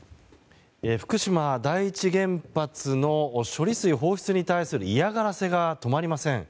福島第一原発の処理水放出に対する嫌がらせが止まりません。